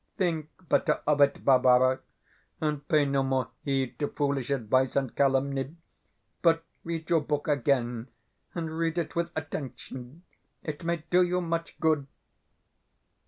Think better of it, Barbara, and pay no more heed to foolish advice and calumny, but read your book again, and read it with attention. It may do you much good.